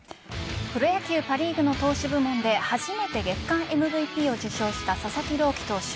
プロ野球パ・リーグの投手部門で初めて月間ＭＶＰを受賞した佐々木朗希投手。